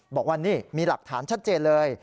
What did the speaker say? บอกว่านี่มีหลักฐานชัดเจนเลย